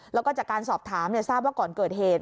แล้วก็จากการสอบถามทราบว่าก่อนเกิดเหตุ